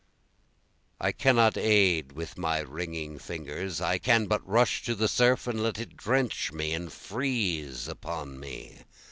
I cannot aid with my wringing fingers, I can but rush to the surf and let it drench me and freeze upon me.